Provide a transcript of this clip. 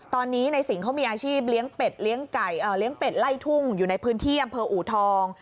ตอนนี้ในสิงห์เขามีอาชีพเลี้ยงเป็ดไล่ทุ่งอยู่ในพื้นเที่ยมเพออู่ทอง